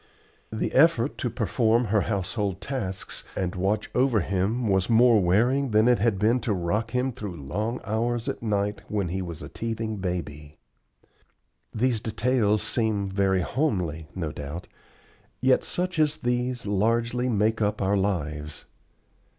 The effort to perform her household tasks and watch over him was more wearing than it had been to rock him through long hours at night when he was a teething baby. These details seem very homely no doubt, yet such as these largely make up our lives.